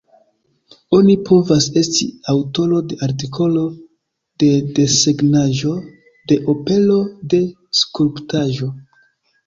Oni povas esti aŭtoro de artikolo, de desegnaĵo, de opero, de skulptaĵo.